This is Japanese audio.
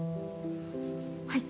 はい。